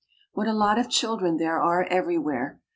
What a lot of children there are everywhere.